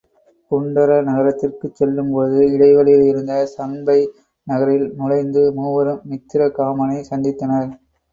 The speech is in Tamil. புண்டர நகரத்திற்குச் செல்லும் போது இடைவழியில் இருந்த சண்பை நகரில் நுழைந்து மூவரும் மித்திரகாமனைச் சந்தித்தனர்.